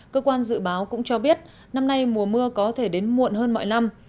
cơ quan dự báo cũng cho biết năm nay mùa mưa có thể đến muộn hơn mọi năm